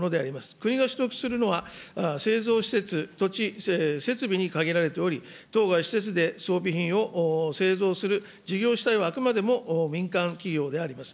国が取得するのは、製造施設、土地、設備に限られており、当該施設で装備品を製造する、事業主体はあくまでも民間企業であります。